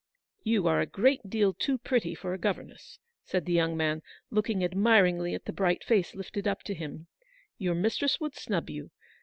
" You are a great deal too pretty for a gover ness," said the young man, looking admiringly at the bright face lifted up to him ;" your mistress would snub you.